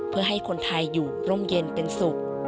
เพื่อให้คนไทยอยู่ร่มเย็นเป็นสุข